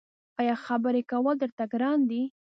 ایا خبرې کول درته ګران دي؟